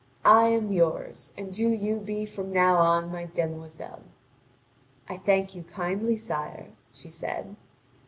I am yours, and do you be from now on my demoiselle!" "I thank you kindly, sire," she said.